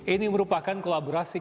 ini merupakan kolaborasi kami